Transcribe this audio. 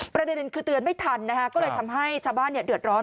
ประเด็นคือเตือนไม่ทันนะคะก็เลยทำให้ชาวบ้านเดือดร้อน